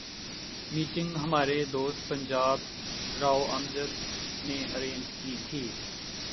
Meeting ہمارے دوست پنجاب راؤ امجد نے ارینج کی تھی۔